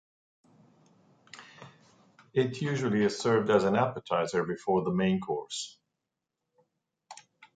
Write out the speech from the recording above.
It usually is served as an appetizer before the main course.